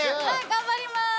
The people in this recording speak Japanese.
頑張ります。